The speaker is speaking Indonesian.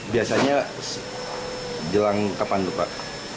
biasanya jelang kapan pak